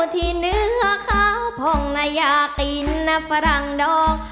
ที่เนื้อขาวพองอยากกินฝรั่งดอก